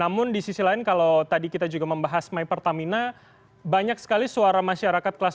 namun di sisi lain kalau tadi kita juga membahas my pertamina banyak sekali suara masyarakat kelas tiga